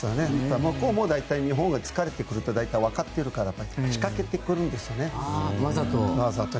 向こうも日本が疲れてくると分かっているから仕掛けてくるんですよねわざと。